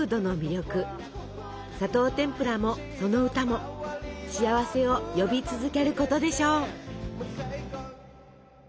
「砂糖てんぷら」もその歌も幸せを呼び続けることでしょう。